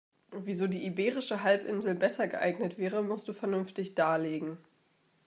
Wieso die iberische Halbinsel besser geeignet wäre, musst du vernünftig darlegen.